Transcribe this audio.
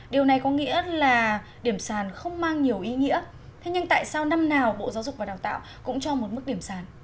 điều này có nghĩa là điểm sàn không mang nhiều ý nghĩa thế nhưng tại sao năm nào bộ giáo dục và đào tạo cũng cho một mức điểm sàn